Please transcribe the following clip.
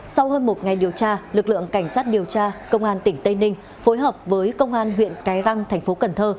sau hơn một ngày điều tra lực lượng cảnh sát điều tra công an tỉnh tây ninh phối hợp với công an huyện cái răng tp hcm